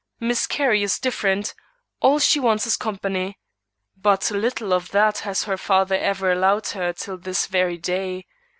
Miss Carrie is different; all she wants is company. But little of that has her father ever allowed her till this very day.